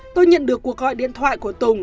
tôi nhận được cuộc gọi điện thoại của tùng